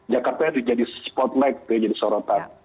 jakarta jadi spotlight jadi sorotan